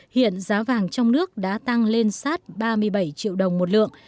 hiện giá vàng trong nước đã tăng lên sát ba mươi bảy triệu đồng một lượng